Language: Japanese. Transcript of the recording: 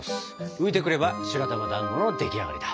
浮いてくれば白玉だんごの出来上がりだ！